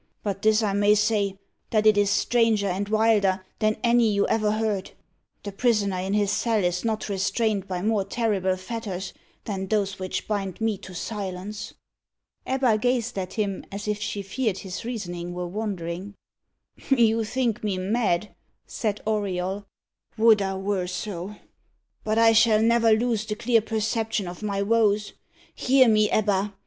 But this I may say, that it is stranger and wilder than any you ever heard. The prisoner in his cell is not restrained by more terrible fetters than those which bind me to silence." Ebba gazed at him as if she feared his reasoning were wandering. "You think me mad," said Auriol; "would I were so! But I shall never lose the clear perception of my woes. Hear me, Ebba!